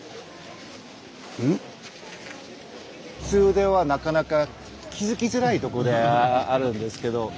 普通ではなかなか気付きづらいとこではあるんですけど。